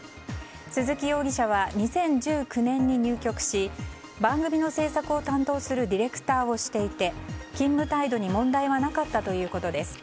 鈴木容疑者は２０１９年に入局し番組の制作を担当するディレクターをしていて勤務態度に問題はなかったということです。